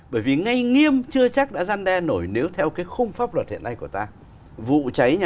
bởi vì ngay nghiêm chưa chắc đã gian đe nổi nếu theo cái khung pháp luật hiện nay của ta